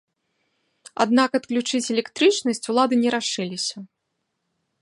Аднак адключыць электрычнасць улады не рашыліся.